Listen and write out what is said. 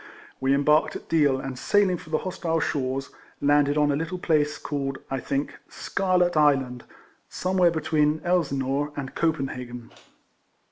We embarked at Deal, and sailing for the hos tile shores, landed on a little place called, I think, Scarlet Island, somewhere between Elsineur and Copenhagen.